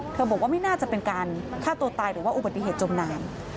บอกว่าไม่น่าจะเป็นการฆ่าตัวตายหรือว่าอุบัติเหตุจมน้ำ